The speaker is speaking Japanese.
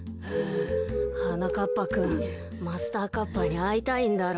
はなかっぱくんマスターカッパーにあいたいんだろ。